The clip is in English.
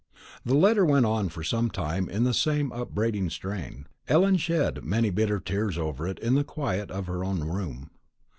The letter went on for some time in the same upbraiding strain. Ellen shed many bitter tears over it in the quiet of her own room.